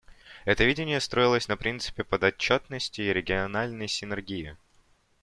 Это видение строилось на принципе подотчетности и региональной синергии.